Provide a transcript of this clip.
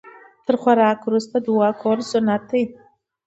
تر خوراک وروسته دعا کول سنت ده